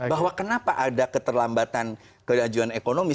bahwa kenapa ada keterlambatan kerajuan ekonomi